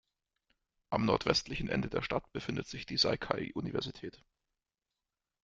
Am nordwestlichen Ende der Stadt befindet sich die Seikei-Universität.